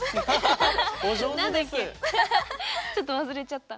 ちょっとわすれちゃった。